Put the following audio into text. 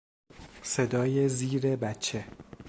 صدای زیر بچه